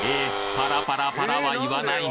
パラパラパラは言わないの？